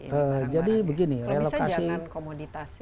kalau bisa jangan komoditas